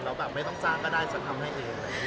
แล้วแบบไม่ต้องสร้างก็ได้สำคัญทำให้ดี